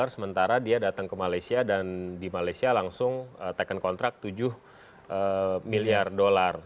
sementara dia datang ke malaysia dan di malaysia langsung taken kontrak tujuh miliar dolar